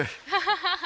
ハハハハ。